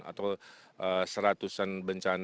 atau seratus an bencana